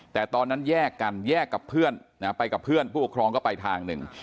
แต่ตอนนั้นแยกกันแยกกับเพื่อนไปกับเพื่อนผู้ปกครองก็ไปทางหนึ่ง